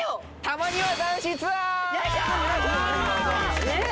たまにわ男子ツアー？